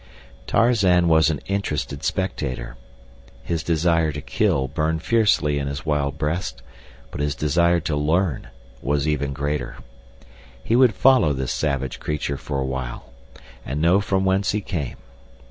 Tarzan was an interested spectator. His desire to kill burned fiercely in his wild breast, but his desire to learn was even greater. He would follow this savage creature for a while and know from whence he came.